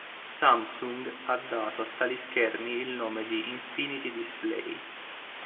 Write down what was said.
Samsung ha dato a tali schermi il nome di "Infinity display".